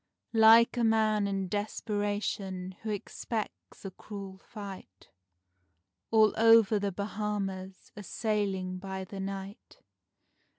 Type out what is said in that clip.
Like a man in desperation who expects a cruel fight, All over the Bahamas a sailing by the night.